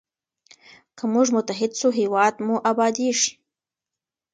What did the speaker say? که موږ متحد سو هېواد مو ابادیږي.